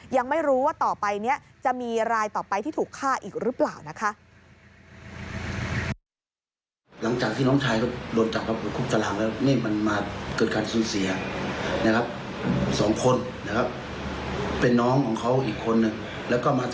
ยังไม่รู้ว่าต่อไปนี้จะมีรายต่อไปที่ถูกฆ่าอีกหรือเปล่านะคะ